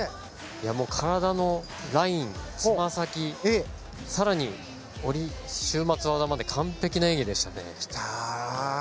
体のライン、つま先更に下り、終末技まで完璧な演技でしたね。